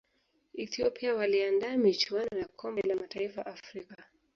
ethiopia waliandaa michuano ya kombe la mataifa afrika